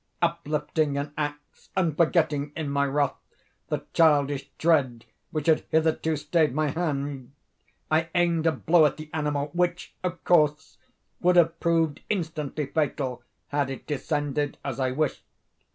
Uplifting an axe, and forgetting, in my wrath, the childish dread which had hitherto stayed my hand, I aimed a blow at the animal which, of course, would have proved instantly fatal had it descended as I wished.